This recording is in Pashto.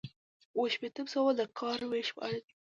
اووه شپیتم سوال د کار ویش په اړه دی.